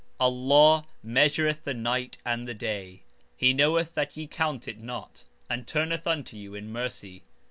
Allah measureth the night and the day. He knoweth that ye count it not, and turneth unto you in mercy.